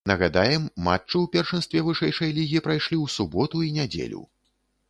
Нагадаем, матчы ў першынстве вышэйшай лігі прайшлі ў суботу і нядзелю.